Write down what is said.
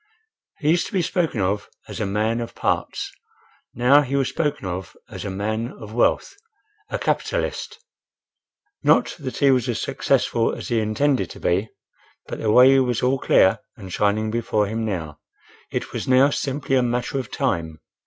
He used to be spoken of as "a man of parts;" now he was spoken of as "a man of wealth—a capitalist." Not that he was as successful as he intended to be; but the way was all clear and shining before him now. It was now simply a matter of time.